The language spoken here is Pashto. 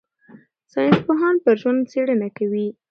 ساینسپوهان پر ژوند څېړنه کوي.